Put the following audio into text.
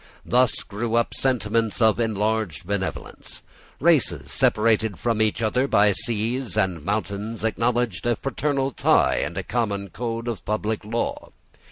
Thus grew up sentiments of enlarged benevolence. Races separated from each other by seas and mountains acknowledged a fraternal tie and a common code of public law.